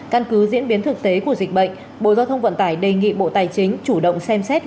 căn cứ diễn biến thực tế của dịch bệnh bộ giao thông vận tải đề nghị bộ tài chính chủ động xem xét